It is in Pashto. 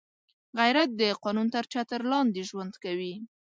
غیرت د قانون تر چتر لاندې ژوند کوي